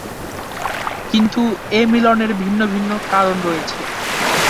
কিন্তু এ মিলনের ভিন্ন ভিন্ন কারণ রয়েছে।